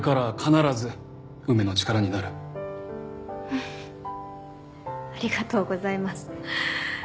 フフッありがとうございます。